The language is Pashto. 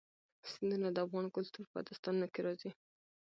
سیندونه د افغان کلتور په داستانونو کې راځي.